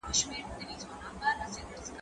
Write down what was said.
زه به کښېناستل کړي وي؟!